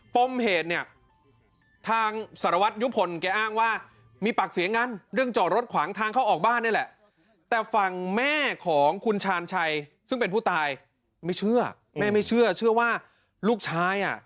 ป้มเหตุเนี่ยทางสารวัตรยุพลแก้อ้างว่ามีปากเสียงงานเรื่องจอรถขวางทางเขาออกบ้านนี่แหละ